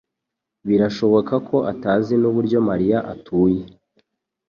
birashoboka ko atazi nuburyo Mariya atuye.